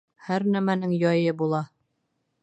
Һәр нәмәнең яйы була